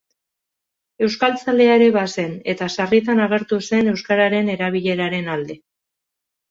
Euskaltzalea ere bazen eta sarritan agertu zen euskararen erabileraren alde.